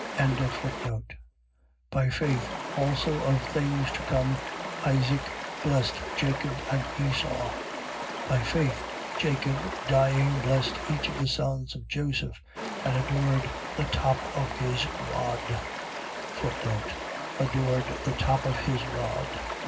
11:20. By faith also of things to come Isaac blessed Jacob and Esau. 11:21. By faith Jacob, dying, blessed each of the sons of Joseph and adored the top of his rod. Adored the top of his rod.